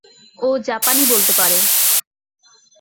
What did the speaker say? ও জাপানি বলতে পারে।